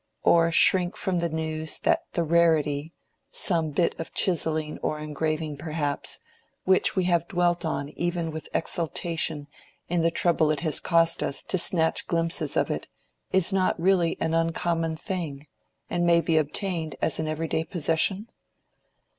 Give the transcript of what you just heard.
—or shrink from the news that the rarity—some bit of chiselling or engraving perhaps—which we have dwelt on even with exultation in the trouble it has cost us to snatch glimpses of it, is really not an uncommon thing, and may be obtained as an every day possession?